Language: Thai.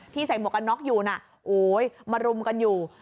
ใส่หมวกกันน็อกอยู่น่ะโอ้ยมารุมกันอยู่